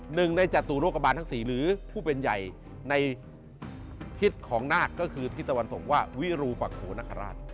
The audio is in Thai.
หนึ่งในจัดตรูโรคบาลทั้ง๔หรือผู้เป็นใหญ่ในทิศของนาคก็คือทิศวรรษมค์ว่าวิรุภัคโหรนค์ราช